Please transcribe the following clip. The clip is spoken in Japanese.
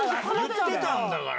言ってたんだから。